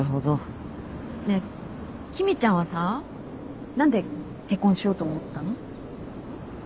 ねえ君ちゃんはさ何で結婚しようと思ったの？